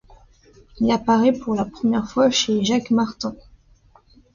Il apparait pour la première fois chez Jacques Martin.